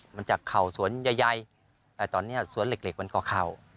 มันจากเข่าสวนใหญ่แต่ตอนนี้สวนเหล็กมันก็เข่า